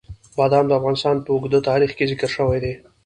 بادام د افغانستان په اوږده تاریخ کې ذکر شوی دی.